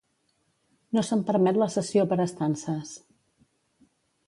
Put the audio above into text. No se'n permet la cessió per estances.